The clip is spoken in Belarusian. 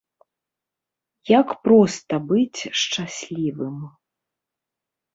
Як проста быць шчаслівым.